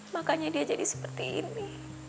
makanya dia jadi seperti ini